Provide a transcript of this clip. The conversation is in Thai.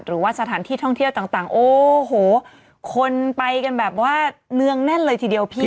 หรือว่าสถานที่ท่องเที่ยวต่างโอ้โหคนไปกันแบบว่าเนืองแน่นเลยทีเดียวพี่